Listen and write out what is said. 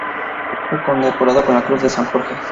Fue condecorado con la Cruz de San Jorge.